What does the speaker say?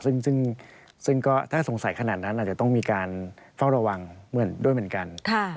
ซึ่งก็ถ้าสงสัยขนาดนั้นอาจจะต้องมีการเฝ้าระวังด้วยเหมือนกัน